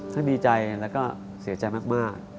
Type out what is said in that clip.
ถ้าดีใจแล้วก็เสียใจมาก